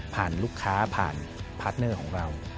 ลูกค้าผ่านพาร์ทเนอร์ของเรา